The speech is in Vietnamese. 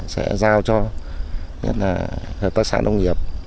sẽ giao cho hợp tác xã nông nghiệp